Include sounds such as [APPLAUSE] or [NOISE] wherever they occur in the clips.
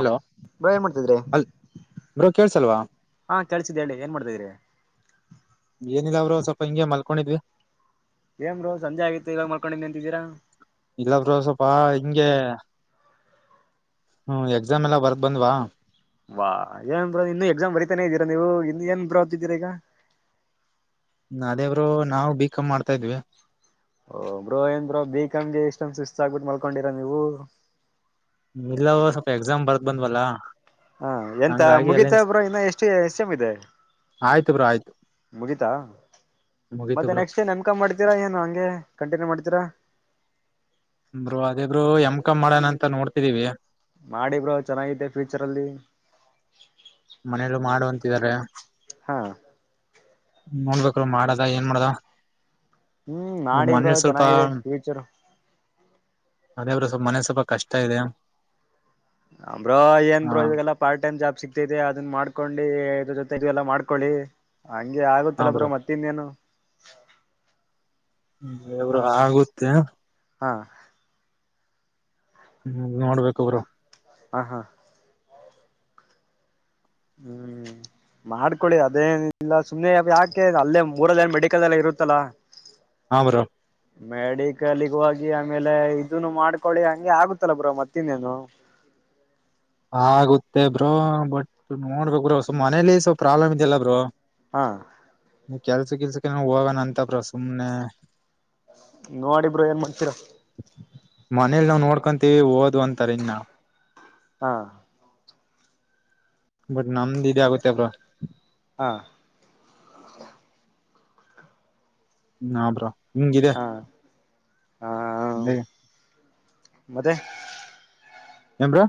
Hello by ಏನ್ ಮಾಡ್ತಿದ್ರಿ ಅಲ್ ಬ್ರೋ ಕೇಳ್ಸಲ್ವಾ ಹಾ ಕೇಳ್ಸ್ತೀದೆ ಹೇಳಿ ಏನ್ ಮಾಡ್ತಿದ್ರಿ. ಏನಿಲ್ಲ ಬ್ರೊ ಸ್ವಲ್ಪ ಹಿಂಗೆ ಮಲ್ಕೊಂಡಿದ್ವಿ. ಏನ್ ಬ್ರೊ ಸಂಜೆ ಆಗಿತ್ತು ಇವಾಗ ಮಲ್ಕೊಂಡಿದ್ನಿ ಅಂತಿದೀರಾ. ಇಲ್ಲ ಬ್ರೊ ಸ್ವಲ್ಪಾ ಹಿಂಗೆ. ಹ್ಮ್ ಎಕ್ಸಾಮ್ ಎಲ್ಲ ಬರ್ದ್ ಬಂದ್ವಾ. ವಾ ಏನ್ ಬ್ರೊ ಇನ್ನು ಎಕ್ಸಾಮ್ ಬರಿತಾನೆ ಇದೀರಾ ನೀವು ಇನ್ ಏನ್ ಬ್ರೊ ಓದ್ತಿದಿರಾ ಈಗ. ಅದೇ ಬ್ರೊ ನಾವ್ ಬಿ ಕಮ್ ಮಾಡ್ತಾ ಇದ್ವಿ. ಒ ಬ್ರೊ ಏನ್ ಬ್ರೊ ಬಿ ಕಮ್ಗೆ ಇಷ್ಟೊಂದ್ ಸುಸ್ತ್ ಆಗ್ಬಿಟ್ ಮಲ್ಕೊಂಡಿರಾ ನೀವು. ಇಲ್ಲ ಬ್ರೊ ಸ್ವಲ್ಪ ಎಕ್ಸಾಮ್ ಬರ್ದ ಬಂದ್ವಲ್ಲಾ. ಹಾ ಎಂತ ಮುಗಿತ ಬ್ರೊ ಇನ್ನ ಎಷ್ಟ ಎಷ್ಟ್ ಸೇಮ್ ಇದೆ. ಆಯ್ತು ಬ್ರೋ ಆಯ್ತು ಮುಗಿತಾ ಮುಗೀತು ಮತ್ತೆ ಬ್ರೋ ನೆಕ್ಸ್ಟ್ ಏನ್ ಎಮ್ ಕಮ್ ಮಾಡ್ತೀರ ಏನು ಹಂಗೆ ಕಂಟಿನ್ಯೂ ಮಾಡ್ತೀರಾ. ಬ್ರೊ ಅದೇ ಬ್ರೋ ಎಮ್ ಕಮ್ ಮಾಡಣ ಅಂತ ನೋಡ್ತಿದಿವಿ. ಮಾಡಿ ಬ್ರೋ ಚೆನ್ನಾಗಿದ್ದೇ ಫ್ಯೂಚರ್ ಅಲ್ಲಿ. ಮನೇಲು ಮಾಡು ಅಂತಿದರೆ. ಹಾ. ನೋಡ್ಬೇಕಲ್ ಮಾಡದ ಏನ್ ಮಾಡದ. ಹ್ಮ್ ಮಾಡಿ ಬ್ರೊ ಮನೇಲಿ ಸ್ವಲ್ಪ ಚೆನ್ನಾಗಿದೆ ಫ್ಯೂಚರು. ಅದೇ ಬ್ರೊ ಸ್ವಲ್ ಮನೆಲ್ ಸ್ವಲ್ಪ ಕಷ್ಟ ಇದೆ. ಅಂ ಬ್ರೋ ಏನ್ ಹಾ ಬ್ರೊ ಇವಾಗೆಲ್ಲ ಪಾರ್ಟ್ ಟೈಮ್ ಜಾಬ್ ಸಿಕ್ತಿದೆ ಅದನ್ ಮಾಡ್ಕೊಂಡೀ ಇದ್ರು ಜೊತೆ ಇದು ಎಲ್ಲ ಮಾಡ್ಕೊಳ್ಳಿ. ಹಂಗೆ ಹಾ ಆಗುತಲ್ಲ ಬ್ರೊ ಬ್ರೋ ಮತ್ ಇನೇನು. ಹ್ಮ ಎಬ್ರೊ ಆಗುತ್ತೆ. ಹಾ. ಹ್ಮ್ ನೋಡ್ಬೇಕು ಬ್ರೊ. ಹ ಹಾ. ಹ್ಮ್. ಮಾಡ್ಕೊಳ್ಳಿ ಅದೇನಿಲ್ಲ ಸುಮ್ನೆ ಅವ್ ಯಾಕೆ ಅಲ್ಲೇ ಮೂರಲ್ಲೆ ಮೆಡಿಕಲ್ ಅಲ್ಲೆ ಇರುತ್ತಲ್ಲಾ. [INAUDIBLE] ಹಾ ಬ್ರೊ. ಹ್ಮ ಮೆಡೀಕಲಿಗ್ ಹೋಗಿ ಆಮೇಲೆ ಇದುನು ಮಾಡ್ಕೊಳ್ಳಿ ಹಂಗೆ ಆಗುತ್ತಲ್ಲ ಬ್ರೊ ಮತ್ತಿನ್ನೇನು. ಆಗುತ್ತೆ ಬ್ರೊ ಬಟ್ ನೋಡ್ಬೇಕ್ ಬ್ರೊ ಸುಮ್ ಮನೇಲಿ ಸ್ವಲ್ಪ್ ಪ್ರಾಬ್ಲಮ್ ಇದೆಯಲ್ಲ ಬ್ರೊ. ಹಾ. ನೀ ಕೆಲ್ಸ ಗಿಲ್ಸಕ್ಕೆ ಹೋಗಣ ಅಂತ ಬ್ರೋ ಸುಮ್ನೆ ನೋಡಿಬ್ರರು ಏನ್ ಮಾಡ್ತೀರಾ ಮನೇಲಿ ನಾವವು ನೋಡ್ಕೊಂತೀವಿ ಓದ್ ಅಂತರಿ ಇನ್ ನಾ ಹಾ ಬಟ್ ನಮ್ದ್ ಇದ ಆಗುತ್ತೆ ಅವ್ರ ಹಾ ಹಾ ಬ್ರೋ ಹಿಂಗಿದೆ ಹಾ ಹ ಮತ್ತೆ ಎ್ರೋ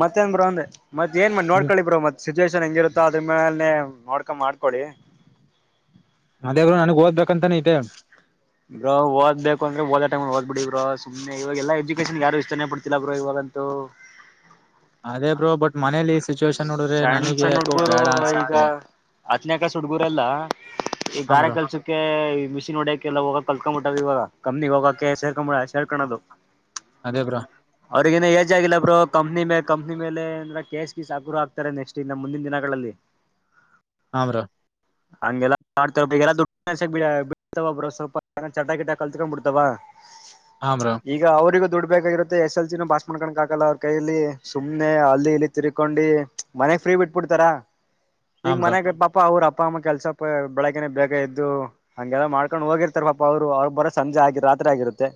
ಮತ್ತೇಏನ್ ಬ್ರೋ ಅಂದ ಮತ್ ಏನ್ ಮ ನೋಡ್ಳ್ಳಿ ಬ್ರೋ ಮತ್ ಸಿಚುವೇೇಶನ್ ಹೆಂಗಿರುತ್ತೋ ಅದ್ರ ಮೇಲೆೇ ನೋಡ್ಕೊಂಡು ಮಾಡ್ಕೊಳ್ಳಿ ಅದೇವರು ನನ್ಗ್ ಓದ್ಬೇಕ ಅಂತಾನೇ ಐತೆ ಬ್ರ ದಬೇಕ ಅಂದ್ರೆ ಹದ ಟೈ್ ಹದ್ಬ ಬಿಡಿ ಇ್ರ ಇ್ಮ ಇವಾಗ ಎಲ್ಲ ಎಜುಕೇಶನ್ ಯಾರು ಇಷ್ಟಾನನೆ ಪಡ್ತಿಲ್ಲ ಬ್ರರು ಇವಾಗಂತೂ ಅದೇ ಬ್ರೋ ಬಟ್ ಮನೇಲಿ ಸಿಚುವೇಶನ್ ನೋಡಿದ್ರೆ ಸಣ್ ನನಗೆ ಸ್ಣ ಯಾಕೋ ಹುಡ್ಗುರು ಬೇಡ ಈಗ ಅನ್ಸುತ್ತೆ ಆತ್ನಕಾಸ ಹುಡ್ಗುರೆಲ್ಲ ಈ ಹಾ ಗಾರೆ ಬ್ರೋ ಕೆಲ್ಸಕ್ಕೆ ಮಿಷಿನ್ ಹೊಡಿಯಕೆ ಎಲ್ಲ ಹೋಗ ಕಲ್ಕ್ಬ ಬಿಟ್ಟ್ ಇವಾಗ ಕಮ್ಮನಿಗ್ೋಗಕಕ್ಕೆ ಸೇರ್ಕೊ್ ಬಿಡ ಹೇಳ್ಕಳದು ಅದೇ ಬ್ರೋ ಅವ್ರಗ ಏಜ್ ಆಗಿಲ್ಲ ಬ್ರ ಕಂಪ್ನಿ ಮ ಕಂನಿ ಮೇಲೆ ಅಂದ್ರ ಕ್ ಸಾಗುರು ಆಗ್ತಾರೆ ನೆಕ್ಸ್ಟ್ ಇನ್ನು ಮುಂದಿನ ದಿನಗಳಲ್ಲಿ ಹಮ್ರ [UNINTELLIGIBLE] ಹಂಗೆಲ್ಲಾ ಬಿತವ ಬ್ರ ಸ್ವಲ್ಪ ಚಟ ಗಿಟ ಕಲ್ತ್ಕೊಂಡ್ ಬಿಡ್ತವ ಹಾ ಬ್ರೋ ಈ ಈಗ ಅವ್ರಗೂ ದುಡ್ ಬೇಕಾಗಿರುತ್ತೆ ಎಸ್ ಎಲ್ಸ ನ ಪಾಸ್ ಮಾಡ್ಕೊಂಡಕಕ್ಕಲ್ಲ ಅವ್ರ ಕೈಲಿ ಸುಮ್ನೆ ಅಲ್ಲಿ ಇ ತಿರ್ಕೊಂಡಿ ಮನೆಗ್ ಫ್ರೀ ಬಿಟ್ಬಿಡ್ತಾರ ಹಾ ಈಗ ಬ್ರೋ ಮನೆಾಗ ಪಾ ಅಪ್ಪ ಅವ್ರ ಅಪ್ಪ ಅಮ್ಮ ಕೆಲ್ಸ ಬೆಳಕನೆ ಬೇಗ ಎದ್ದು ಹಂಗೆಲ್ಲ ಮಾಡ್ಕೊಂಡ್ ಹೋಗಿರ್ತಾರ ಪಾಪಾ ಅವ್ರು ಅವ್ರು ಬರೋ ಸಂಜೆ ಆಗಿ ರಾತ್ರಿ ಆಗಿರುತ್ತೆ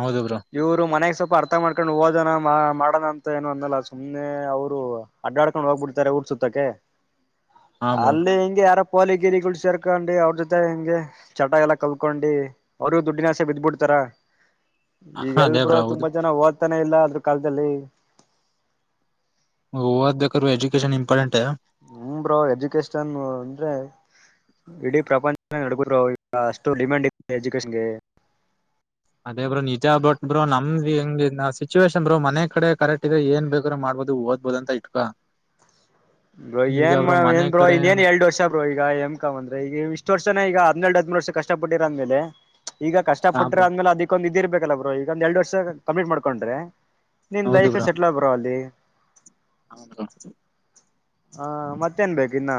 ಹೌದಬ್್ರರು ಇವ್ರು ಮನೆಾಗ ಸ್ವಲ್ಪ ಅರ್ಥ ಮಾಡ್ಕೊಂಡು ಓದೋಣ ಮಾಡೋಣ ಅಂತ ಏನು ಅಂದಲ್ಲ ಸುಮ್ನೆ ಅವರು ಅಡ್ಡಾಡ್ಕೊಂಡು ಹೋಗ್ಬಿಡ್ತಾರೆ ಊರ್ ಸುತ್ತಕ್ಕೆ ಹಾ ಬ್ರೋ ಅಲ್ಲಿ ಹಿಂಗೆ ಯಾರ ಪೋಲಿಗಿರಿಗಳು ಸೇರ್ಕೊಂಡಿ ಅವ್ರ ಜೊತೆ ಹೆಿಂಗೆ ಚಟಾಗ ಎಲ್ಲ ಕಲ್ಕೊಂಡಿ ಅವರು ದುಡ್ಡಿನಸೆ ಬಿದ್ಬಿಡ್ತಾರ ಈಗ ಅದೇ ಎಲ್ಬರುೂ ಬ್ರೋ ಹೌದು ತುಂಬಾ ಜನ ಓದ್ತಾನೇ ಇಲ್ಲ ಅದ್ರ ಕಾಲದಲ್ಲಿ ಹಓದ್ ಬೇಕಾದ್ರು ಎಜುಕೇಶನ್ ಇಂಪಾರ್ಟೆಂಟ್ ನ್ರ ಎಜುಕೇಶನ್ ಅಂದ್ರೆ ಇಡೀ ಪ್ರಪಂಚ ನಡಗುದ್ರು ಈಗ ಅಷ್ಟು ಡಿಮ್ಯಾಂಡ್ ಇದೆ ಎಜುಕೇೇಶನ್ ಗೆ ಅದೇ ಬ್ರೋ ನಿಜಾ ಬಟ್ ಬ್ರೋ ನಮ್ದ್ ಹೆಂಗ ಸಿಚುವೇೇಶನ್ ಬ್ರೋ ಮನೆ ಕಡೆ ಕರೆಕ್ಟ್ ಇದೆ ಏನ್ ಬೇಕ್ರ ಮಾಡ್ಬೋದು ದ್ ಹಬೋದ ಅಂತ ಇಟ್ಕಾ ಬ ಏನ್ ಮನೆ ಏನ್್ರೋ ಕಡೆ ಇನ್ನೇನ್ ಎಡುಷ ಷ್ಟರು ಈಗ ಎಮ ಕಮ ಅಂದ್ರೆ ಈಗ ಇಷ್ಟ ವರ್ಷನ ಈಗ ಹದ್ರಡ್ ಹದ್ೂರು ವರ್ಷ ಕಷ್ಟಪಟ್ಟಿರ ಅಂದ್ಮೇಲೆ ಈಗ ಕಷ್ಟ ಹಾ ಪಟ್ಟಟ್ರೆ ಬ್ರೋ ಆದ್ಮೇಲೆ ಅದಕ್ಕೊಂದ್ ಇದ ಇರ್ಬೇಕಲ್ಲ ಅವರು ಈಗೊಂದ್ ಎರಡ್ ವರ್ಷ ಕಂಪ್ಲೀಟ್ ಮಾಡ್ಕೊಂಡ್ರೆ ನಿನ್ ಹೌದು ಲೈಫ್ ಸೆಟ್ಲ್ ಆಗ್ಬರ ಅಲ್ಲಿ ಹೌದಾ ಹಾ ಮತ್ತೇನ್ ಬೇಕು ಇನ್ನ.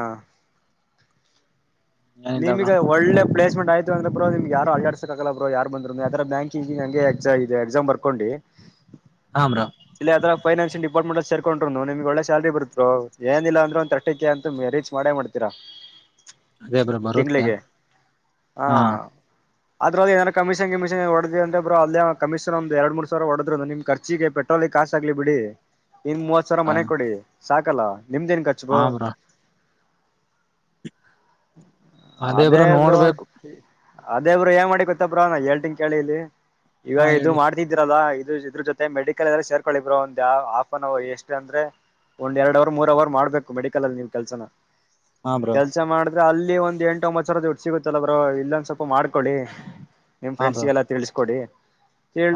ಏನಿಲ್ಲ ಬ್ರೋ ನಿನ್ಗೆ ಒಳ್ಳೆ ಪ್ಲೇಸ್ಮೆಂಟ್ ಆಯ್ತ ಅಂದ್ರ ಬ್ರೋಮ್ಗೆ ಯಾರ ಆಡಡ್ಸಕ್ಕಾಗಲ್ಲ ಬ್ರೋ ಯಾರ ಬಂದ್ರು ಯ ತರ ಬ್ಯಾಂಿಂಗ ಹಂಗೆ ಎ ಇ ಎಸಾಮ್ ಬರ್ಕೊಂಡಿ [INAUDIBLE] ಹ ಬ್ರೋ. ಇಲ್ಲಿ ಅದರ ಫೈನಾನ್ಸಿಯಲ್ ಡಿಪಾರ್ಮೆಂ ಅಲ್ಲಿ ಸರ್ಕೊಂಡ್ರುನು ನಿಮಗ ಒಳ್ಳೆ ಸ್ಯಾಲರಿ ಬರತ್ ಬ್ರೋ. ಏನಿಲ್ಲ ಅಂದ್ರೆ ಒಂದ ತಿರ್ಟಿ ಕೆ ಅಂತು ರೀಚ್ ಮಾಡೇ ಮಾಡ್ತೀರಾ. ಅದೇ ಬ್ರೋ ಬರುತ್ತೆ ತಿಂಗಳಿಗೆ ಹಾ. ಅದ್ರಲ್ಲಿ ಏನಾರ ಕಮಿಷನ್ ಕಮಿನ್ಡೆದ್ ಅಂತರ ಬ್ರೋ ಕಮಿಷನ್ ಒಂದ ಎರಡ್ ಮೂರ ಸಾವಿರ ಹೊಡದ್ರಿ ಅಂದ್ರೆ ನಿಮ ಖರ್ಚಿಗೆ. ಪೆಟ್ರೋಲ್ ಗ ಕಾಸ ಆಗ್ಲಿ ಬಿಡಿ ಇನ್ ಮೂವತ್ ಸಾವಿರ ಮನೆ ಕೊಡಿ ಸಾಕಲ್ಲ ನಿಮ್ದೇನ್. ಖರ್ಚು ಹ ಬ್ರೋ ಬ್ರೊ. ಅದೇ ಬ್ರೋ. ಅದೇ ಬ್ರೋ ಏನ ಮಾಡಿ ಗೊತ್ತ ಬ್ರೋ ನಾ ಹೇಳ್ತೀನ್ ಕೇಳಿ ಇಲ್ಲಿ ಹಾ ಈವಾಗ ಇದು ಹೇಳಿ ಮಾಡ್ ಇದಿದ್ರರಲ್ಲಾ ಇದು ಇದ್ರ ಜೊತೆ ಮೆಡಿಕಲ್ ಎಲ್ಲ ಸೇರ್ಕೊಳ್ಳಿ ಬ್ರೋ ಒಂದು ಯಾವ್ ಆಫ್ ಅನ್ ಅವರ್ ಎಷ್ಟ ಅಂದ್ರೆ. ಒಂದ್ ಎರಡ್ ಅವರ್ ಮೂರ್ ಅವರ್ ಮಾಡ್ಬೇಕು ಮೆಡಿಕಲ್ ಅಲ್ಲಿ ನೀವ್ ಕೆಲ್ಸನ. ಹಾ ಬ್ರೋ. ಕೆಲ್ಸ ಮಾಡಿದ್ರೆ ಅಲ್ಲಿ ಒಂದ್ ಎಂಟು ಒಂಬತ್ತ ಸಾವಿರ ದುಡ್ ಸಿಗುತ್ತಲ್ಲ ಬ್ರೋ ಇಲ್ಲೊಂದ ಸ್ವಲ್ಪ ಮಾಡ್ಕೊಳ್ಳಿ. ನಿಮ್ ಹಾ ಬ್ರೋ ಫ್ರೆಂಡ್ಸ್ಗೆಲ್ಲ ತಿಳ್ಸಕೊಡಿ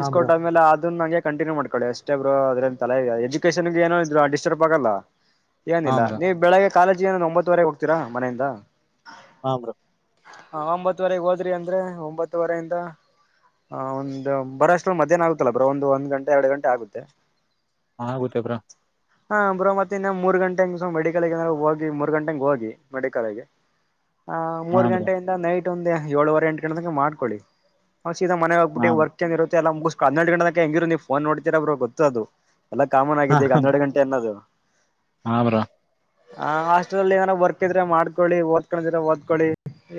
ಹಾ ಬ್ರೋ ಆಮೇಲ್ ಅದನ್ನ ಹಂಗೆ. ಕಂಟಿನ್ಯೂ ಮಾಡಕೊಳ್ಳಿ ಅಷ್ಟೇ ಬ್ರೋ ಅದ್ರ ತಲೆ ಇದೆ ಎಜುಕೇಷನ್ ಏನೋ ಡಿಸ್ಟರ್ಬ್ ಆಗಲ್ಲ. ಹಾ ಏನಿಲ್ಲ ಬ್ರೋ ನೀವ್ ಬೆಳಿಗ್ಗೆ ಕಾಲೇಜಿಗೆ ಏನ ಒಂಬತ್ತುವರೆಗೆ ಹೋಗತೀರಾ ಮನೆಯಿಂದ. ಹ ಬ್ರೊ. ಹ ಒಂಬತ್ತುವರೆಗೆ ಹೋದ್ರಿ ಅಂದ್ರೆ ಒಂಬತ್ತುವರಿಂದ. ಹ ಒಂದು ಬರೋಷ್ಟ್ರಲ್ಲಿ ಮಧ್ಯಾಹ್ನ ಆಗುತ್ತಲ್ಲ ಬ್ರೋ ಒಂದು ಒಂದ್ ಗಂಟೆ ಎರಡು ಗಂಟೆ ಆಗುತ್ತೆ. ಹಾ ಆಗುತ್ತೆೇಬ್ರೊ. ಹಾ ಬ್ರೋ ಮತ್ತ್. ಮತ್ತಿನ ಮೂರ್ ಗಂಟೆ ಮೆಡಿಕಲ್ ಏಂದ್ರೆ ಹೋಗಿ ಮೂರು ಗಂಟೆಗೆ ಹೋಗಿ ಮೆಡಿಕಲ್ಗೆ. ಹ ಹಾ ಮೂರ್ ಬ್ರೋ ಗಂಟೆಯಿಂದ ನೈಟ್ ಒಂದೆ ಏಳುವರೆ ಎಂಟು ಗಂಟೆ ತನಕ ಮಾಡ್ಕೊಳ್ಳಿ. ಸೀದಾ ಮನೆ ಹಾ ಹೋಗ್ಬಟ್ಟ ವರ್ಕ್ ಏನ ಇರುತ್ತ ಎಲ್ಲ ಮುಗಸ್ಕೊ ಹನ್ನೆರಡ ಗಂಟೆ ತನಕ ಹೆಂಗಿರು ನೀವು ಫೋನ್ ನೋಡ್ತೀರಾ ಬ್ರೋ ಗೊತ್ತು ಅದು. ಎಲ್ಲಾ ಕಾಮನ್ ಆಗಿದೆ ಈಗ ಹನ್ನೆರಡು ಗಂಟೆ ಅನ್ನದು. ಹಾ ಬ್ರೋ. ಹ ಅಷ್ಟ್ರಲ್ಲಿ ಏನಾರ ವರ್ಕ್ ಇದ್ರೆ ಮಾಡಕೊಳ್ಳಿ ಓದಕನೋಡಿದ್ರೆ ಓದ್ಕೊಳ್ಳಿ.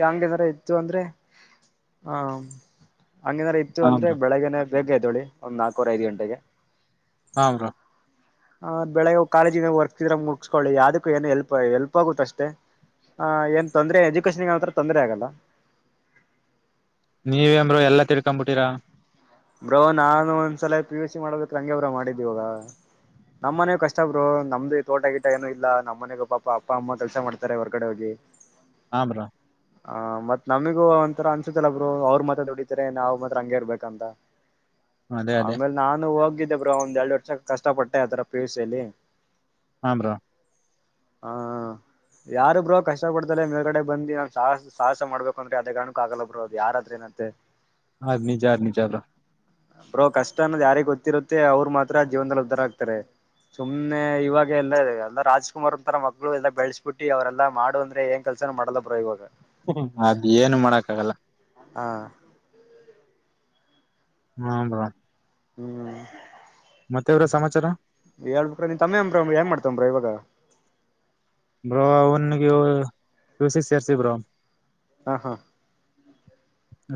ಹಂಗಂದ್ರ ಇತ್ತು ಅಂದ್ರೆ ಹ ಹಂಗನ ಇ ಇತ್ತು ಹಾ ಅಂದ್ರೆ ಬ್ರೋ ಬೆಳಗ್ನೆ ಬೇಗ ಎದ್ದೇಳಿ ಒಂದ್ ನಾಲ್ಕವರೆ ಐದು ಗಂಟೆಗೆ. ಹ ಬ್ರೋ. ಹ್ ಬೆಳಗ್ ಹೋಗ ಕಾಲೇಜಿನ ವರ್ಕ್ಸಿದ್ರೆ ಮುಗಿಸಸ್ಕೊಳ್ಳಿ ಯಾವದಕ್ಕ ಏನು ಹೆಲ್ಪ್ ಹೆಲ್ಪ್ ಆಗುತ್ತಷ್ಟೆ. ಹ ಏನ್ ತೊಂದರೆ ಎಜುಕೇಶನ್ ಏನಂತ್ರ ತೊಂದರೆ ಆಗಲ್ಲ. ನೀವೇನ ಬ್ರೋ ಎಲ್ಲ ತಿಳ್ಕೊಂಡ ಬಿಟ್ಟಿರಾ. ಬ್ರೋ ನಾನು ಒಂದ್ಸಲ ಪಿ ಯುಸ್ ಸಿ ಮಾಡ್ಬೇಕ ಹಂಗ ಬ್ರೋ ಮಾಡಿದ್ದವಾಗ. ನಮ್ಮ್ನೆ ಕಷ್ಟ ಬರು ನಮ್ದು ತೋಟ ಗಿಟ ಏನನು ಇಲ್ಲ ನಮ್ಮ ಮನೆಗೂ ಪಾಪ ಅಪ್ಪ ಅಮ್ಮ ಕೆಲಸ ಮಾಡ್ತಾರೆ ಹೊರ್ಗಡೆ ಹೋಗಿ. [INAUDIBLE] ಹ ಬ್ರೊ. ಹ ಮತ್ ನಮಗ ಒಂಥರ ಅನ್ಸುತ್ತಲ್ಲ ಬ್ರೋ ಅವರ ಮಾತ್ರ ದುಡಿತಾರೆ ನಾವ್ ಮಾತ್ರ ಹಂಗೇ ಇರ್ಬೇಕಂತ. ಅದೇ ಅದೇ ಆಮೇಲೆ ನಾನು ಹೋಗಿದ್ದೆ ಬ್ರೋ ಒಂದ್ ಎರಡು ವರ್ಷ ಕಷ್ಟ ಪಟ್ಟೆ ಆತರ ಪಿ ಯು ಸಿ ಅಲ್ಲಿ. ಹ ಬ್ರೋ. ಹಾ. ಯಾರು ಬ್ರೋ ಕಷ್ಟ ಪಡ್ತೇ ಮೇಗಡೆ ಬಂದು ನಾ ಸಾಹಸ ಸಾಹಸ ಮಾಡಬೇಕ ಅಂದ್ರೆ ಅದೇ ಕಾರಣಕ್ಕ ಆಗಲ್ಲ ಬ್ರೋ ಅದು ಯಾರಾದ್ರ ನತ್ತಂತೆ ಹ ನಿಜಾರ ನಿಜಾಅದ ಬ್ರೋ ಕಷ್ಟ ಅನ್ನೋದು ಯಾರಿಗೆ ಗೊತ್ತಿರುತ್ತೆ ಅವ್ರು ಮಾತ್ರ ಜೀವದಲ್ಲಿ ಉದ್ಧಾರ ಆಗ್ತಾರೆ ಸುಮ್ಮ್ನೆ ಇವಾಗ ಎಲ್ಲ ಎಲ್ಲ ರಾಜ್ಕುಮಾರ್ ಒಂತರ ಮಕ್ಕಳು ಎಲ್ಲ ಬೆಳೆಸಸ್ಬಿಟ್ಟಿ ಅವರೆಲ್ಲ ಮಾಡು ಅಂದ್ರೆ ಹೆಂಗ ಕೆಲ್ಸನ ಮಾಡ್ಲ ಬ್ರ ಇವಾಗ ಹ ಅದ್ ಏನು ಮಾಡಕ್ಕ ಆಗಲ್ಲ ಹಾ ಹನ [INAUDIBLE] ಹ್ಮ್ ಮತ್ತೆವರ ಸಮಾಚಾರ ಹಳ್ ಬಿರ ನೀನ್ ತಮ್ಮೇ ಅ್ರ ಏನ್ ಮಾಡ್ತಂಬ್ರಾ ಇವಾಗ ಬ್ರೋ ಅವನಿಗೆ ಪಿವಿಸಿಕ್ ಸೇರ್ಸಿ ಬ್ರೋ ಹಾ ಹಾ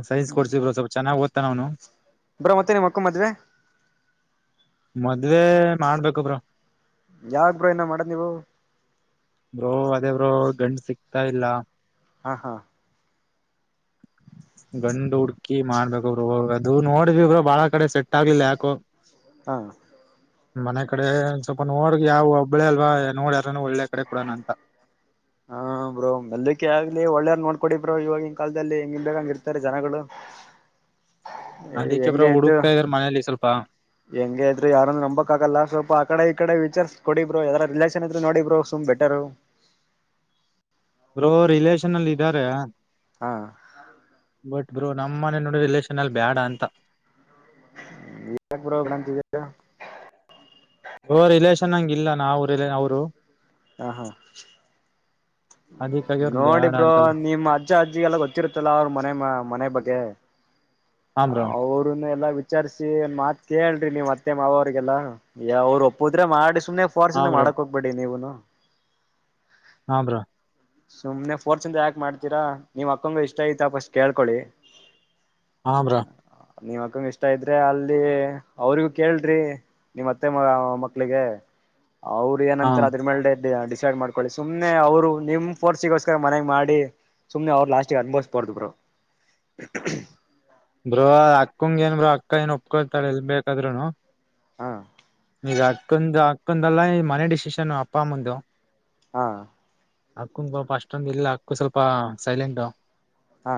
ಸೈನ್ಸ್ ಕೊಡ್ಸಿ ಬ್ರೋ ಚೆನ್ನಾಗಿ ಓದುತಾನ ಅವ್ನು ಬ್ರಾ ಮತ್ತೆ ನಿಮ್ಮಕ್ಕ ಮದ್ವೆ ಮದ್ವೆ ಮಾಡ್ಬೇಕಬ್ರ. ಯಾವಾಗ ಬ್ರೋ ಏನ ಮಾಡ್ ನೀವು ಬ್ರೋ ಅದೇ ಬ್ರೋ ಗಂಡು ಸಿಕ್ತಾ ಇಲ್ಲ ಹಾಂ ಹಾ ಗಂಡು ಹುಡ್ಕಿ ಮಾಡ್ಬೇಕ ಅವರು ಅದು ನೋಡ್ರರು ಬಾಳ ಕಡೆ ಸೆಟ್ ಆಗ್ಲಿಿಲ್ಲ ಯಾಕು ಹಾ ಮನೆ ಕಡೆ ಒ ಸ್ವಲ್ಪ ನೋಡ ಯಾವವು ಒಬ್ಬಳೇ ಅಲ್ವಾ ನೋಡ್ಯಾರೂ ಒಳ್ಳೆ ಕಡೆ ಕೊಡಣ ಅಂತ ಹಾ ಬ್ರೋ ಮೆಲ್ಕ್ಕೆೆ ಆಗ್ಲಿ ಒಳ್ಳೇದ ನೋಡ್ಕೊಡಿ ಬ್ರೋ ಇವಾಗಿನ್ ಕಾಲದಲ್ಲಿ ಹೆಂಗಿನ್ ಬೇಕಂಗ ಇರ್ತಾರೆ ಜನಗಳು ಹೆಂಗ ಆಯ್ತು ಅಲ್ಲಿ ಸ್ವಲ್ಪ ಹೆಂಂಗ ಇದ್ರು ಯಾರಂದ ನಂಬಕ್ ಆಾಗಲ್ಲ ಸ್ವಲ್ಪ ಆ ಕಡೆ ಈ ಕಡೆ ವಿಚರ್ಸ್ ಕೊಡಬ್ರರು ಯದಾರ ರಿಲೇಷನ್ ಇದ್ರ ನೋಡಬ್ರರು ಸುಮ್ ಬೆಟರು ಬ್ರೋ ರಿಲೇಷನ್ ಅಲ್ಲಿ ಇದಾರೆ ಹಾ ಬಟ್ ಬ್ರೋ ನಮ್ಮನೆ ನೋಡಿ ರಿಲೇಷನ್ ಅಲ್ಲಿ ಬೇಡ ಅಂತ ಯ ಬ್ರೋ ಗಂತಿದೀರ ರಿಲೇಷನ್ ಹಂಗ ಇಲ್ಲ ನಾ ಅವರು ಅವ್ರು ಹಾ ಹಾ ಅದಕ್ಕೆಗಿ ನೋಡಿ ಬ್ರೋ ನಿಮ್ಮ್ ಅಜ್ಜ ಅಜ್ಜಿಗೆಲ್ಲ ಗೊತ್ತಿರುತ್ತಲ್ಲ ಅವ್ರ ಮನೆ ಮನೆ ಬಗ್ಗೆ ಹಾ ಬ್ರೋ ಅವ್ರನ್ನ ಎಲ್ಲಾ ವಿಚಾರಸಿ ಮಾತ್ ಕೇಳ್ರಿ ನೀವ್ ಮತ್ತೆ ಮಾವವ್ರರಿಗೆಲ್ಲಾ ಯಾಅವರು ಒಪ್ಪುದ್ರೆ ಮಾಡಿ ಸುಮ್ನೆ ಫೋರ್ಸ್ ಹಾ ಇಂದ ಬ್ರೋ ಮಾಡಕ್ ಹೋಗ್ಬೇಡಿ ನೀವುನು ಹಾ ಬ್ರೋ ಸುಮ್ನೆ ಫೋರ್ಸ್ ಇಂದ ಯಾಕ್ ಮಾಡತತಿರಾ ನಿಮ್ಮಕ್ಕನಗ್ ಇಷ್ಟ ಐತ ಪಫಸ್ಟ್ ಕೇಳ್ಕೊಳ್ಳಿ ಹ ಬ್ರೋ ನೀ್ ಅಕ್ಕಂಗ ಇಷ್ಟ ಇದ್ರೆ ಅಲ್ಲಿ ಅವ್ರಿಗೂ ಕೇಳ್ರಿ ನಿಮ್ಮಅತ್ತೆ ಮಕ್ಕಳಿಗೆ ಅವರು ಹಾ ಏನಂತಾರೆ ಅದ್ರ ಮೇಲೆ ಡಿಸೈಡ್ ಮಾಡಕೊಳ್ಳಿ ಸುಮ್ನೆ ಅವ್ರು ನಿಮ್ ಫೋರ್ ಸಿಗೋಸ್ಕರ ಮನೆಗ್ ಮಾಡಿ ಸುಮನೆ ಅವ್ರು ಲಾಸ್ಟಿಗೆ ಅನುಭವಿಸಬಾರದು [UNINTELLIGIBLE] ಬ್ರೋ ಅಕ್ಕಂಗ ಏನ್ ಬ್ರೋ ಅಕ್ಕ ಏನ್ ಒಪ್ಕೊತಾಳೆ ಎಲ್ಲಿ ಬೇಕಾದ್ೂನು ಹಾ ಈಗ ಅಕ್ಕಂದ ಅಕ್ಕಂದಲ್ಲಾ ಈ ಮನೆ ಡಿಸಿಷನ್ ಅಪ್ಪಮ್ಮಂದು ಹಾ ಅಕ್ಕನ್ ಪಾಪ ಅಷ್ಟೊಂದು ಇಲ್ಲ ಅಕ್ಕು ಸ್ವಲ್ಪ ಸೈಲೆಂಟ್ ಹಾ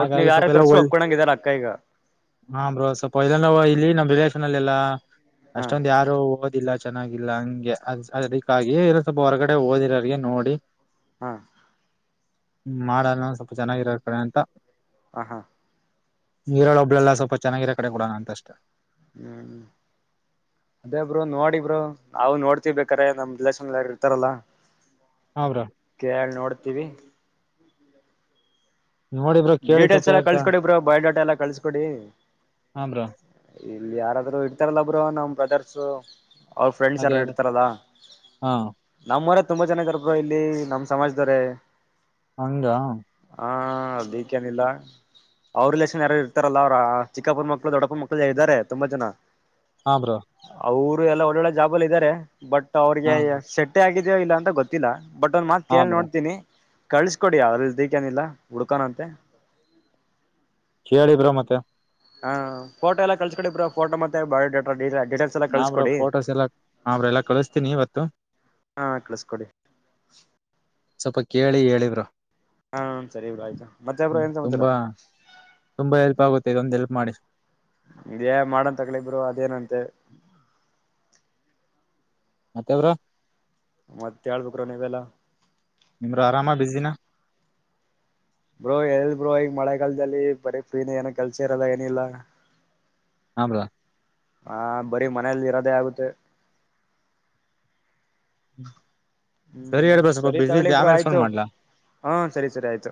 ಒಟ್ನಿಗೆ ಯಾರ ಸ್ವಲ್ಪ ಎಲ್ಲ ತರ್ಸ್ರರು ಒಳ್ ಒಪ್ಕಳಂಗಿದಾರ ಅಕ್ಕ ಈಗ ಹಾ ಬ್ರೋ ಸ್ವಲ್ಪ ಇ ನ ಇಲ್ಲಿ ನಮ್ ರಿಲೇಷನ್ ಅಲ್ಲ ಎಲ್ಲಾ ಹಾ ಅಷ್ಟೊಂದ್ ಯಾರು ಓ ಇಲ್ಲ ಚೆನ್ನಾಗಿಲ್ಲ ಹಂಗೆ ಅ ಅದಕ್ಕಾಗಿ ಸ್ವಲ್ಪ ಹೊರಗಡೆ ಓದಿರರ್ಗೆ ನೋಡಿ ಹಾ ಹ್ಮ್ ಮಾಡಲ್ಲ ಸ್ವಲ್ಪ ಚೆನ್ನಾಗಿರೋಾರ ಕಡೆ ಅಂತ ಹಂ ಹಾ ನೀರಳ ಒಬ್ಳೆಲ್ಲ ಸ್ವಲ್ಪ ಚೆನ್ನಾಗಿರ ಕಡೆ ಕೊಡಣ ಅಂತಷ್ಟ ಹ್ಮ್ ಅದೇ ಬ್ರೋ ನೋಡಿ ಬ್ರೋ ನಾವು ನೋಡ್ತಿರ್ಬೇಕೇಕಾರೆ ನಮ್ ರಿಲೇಷನ್ ಯಾರು ಇರ್ತಾರಲ್ಲಾ ಇ [INAUDIBLE] ಹ ಬ್ರೋ ಕೇಳ್ ನೋಡ್ತೀವಿ ನೋಡಿ ಬ್ರೋ ಕೇಳಿ ಸ್ವಲ್ಪ ಡೀಟೇಲ್ಸ್ ಎಲ್ಲ ಯಾರತ್ರ ಕಳ್ಸಕೊಡಿ ಬ್ರೋ ಬಯೋಡಾಟಾ ಎಲ್ಲಾ ಕಳ್ಸಕೊಡಿ ಹಾ ಬ್ರೋ ಇಲ್ಲಿ ಯಾರಾದ್ರರು ಇಡ್ತಾರಲ್ಲಬ್ರು ನಮ್ ಬ್ರದರ್ಸ ಅವ್ರ ಫ್ರೆಂಡ್ಸ್ ಯಾರ ಅದೇ ಅದೇ ಇಡ್ತಾರದಾ ಹಾ ನಮ್ಮ್ವರ ತುಂಬಾ ಜನ ಇದಾರ ಬ್ರು ಇಲ್ಲಿ ನಮ್ಮ್ ಸಮಾಜದವರೆೇ ಹಂಗ ಹಾ ಅ ದಕ್ಕಾನಿಲ್ಲ ಅವ್ರ ರಿಲೇಷನ್ ಯಾರು ಇರ್ತಾರಲ್ಲ ಅವ್ ಆ ಚಿಕ್ಕಪ್ಪನ ಮಕ್ಕಳು ದೊಡ್ಡಪನ್ ಮಕ್ಕಳಲ್ಲ ಇದ್ದಾರೆ ತುಂಬಾ ಜನ ಹಾ ಬ್ರೋ ಅವರು ಎಲ್ಲ ಒಳ್ಳೊಳ್ಳೆ ಜಾಬಲ್ಲಿ ಇದ್ದಾರೆ ಬಟ್ ಅವ್ರಿಗೆ ಹ ಸೆಟ್ಟೆ ಆಗಿದೆಯೋ ಇಲ್ಲ ಅಂತ ಗೊತ್ತ ಗಿಲ್ಲ ಬಟ್ ಒಂದ್ ಮಾತ್ ಹಾ ಕೇಳಿ ಬ್ರೋ ನೋಡ್ತೀನಿ ಕಳ್ಿಸ್ಕೊಡಿ ಅವ್ರಲ್ ದ ಏನಿಲ್ಲ ಹುಡ್ಕೋನ ಅಂತೆ ಕೇಳಿ ಬ್ರು ಮತ್ತೆ ಹಾ ಫೋಟೋ ಎಲ್ಲ ಕಲ್ಸ್ಕೊಳ್ಳಿ ಬ್ರೋ ಫೋಟೋ ಮತ್ತೆ ಬಯೋಡೇಟಾ ಹಾ ಬ್ರು ಫೋಟೋಸ್ ಎಲ್ಲಾ ಹಾ ಎಲ್ಲಾ ಕಳಿಸತೀನಿ ಇವತ್ತು ಹಾ ಕಳಿಸಕೊಡಿ ಸ್ವಲ್ಪ ಕೇಳಿ ಹೇಳಿ ಹಾ ಸರಿ ಇ್ರ ಆಯ್ತ ಮತ್ತೆಬ್ಬರು ಹ್ಮ್ ಏನ್ ಸಮಾಚಾರ ತುಂಬಾ ತುಂಬಾ ಹೆಲ್ಪ್ ಆಗುತ್ತೆ ಇದ ಒಂದ್ ಹೆಲ್ಪ್ ಮಾಡಿ ಮಾಡನ್ ತಗಳಬ್ರರು ಅದೇನಂತೆ ಮತ್ತೆ ಬ್ರೋ ಮತ್ತ ಹೇಳ್ಬೇಕ್ರ ನೀವೆಲ್ಲಾ ಬ್ರೋ ಆರಾಮ ಬಿಸಿನ ಬ್ರೋ ಎಲ್ ಬ್ರೋ ಈಗ ಮಳೆಗಾಲದಲ್ಲಿ ಬರೀ ಪ್ರೀಿನ ಏನ ಕಲ್ಸಿರಲ್ಲ ಏನಿಲ್ಲ ಹ್ಮ್ ಬ್ರೋ ಹಾ ಬರೀ ಮನೇಲಿ ಇರೋದೇ ಆಗುತ್ತೆ ಹ್ಮ ಸರಿ ಹ್ಮ್ ಹೇಳೇಳ್ಬ ಸ್ವಲ್ಪ ಸರಿ ಬಿಸಿ ತಗೊಳ್ಳಿ ಇದ್ದೆ ಬ್ರೋ ಆಮೇಲೆ ಫೋನ್ ಆಯ್ತು ಮಾಡ್ಲಾ ಹಾ ಸರಿ ಸರಿ ಆಯ್ತು